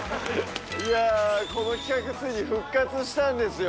いやこの企画ついに復活したんですよ。